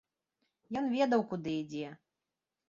Ён ведаў, куды ідзе!